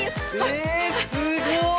えすごい！